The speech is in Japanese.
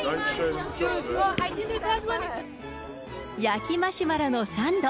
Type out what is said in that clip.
焼きマシュマロのサンド。